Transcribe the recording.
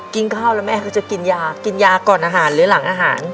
กินข้าวแล้วแม่ก็จะกินยากินยาก่อนอาหารหรือหลังอาหาร